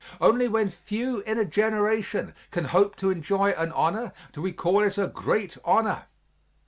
Only when few in a generation can hope to enjoy an honor do we call it a great honor.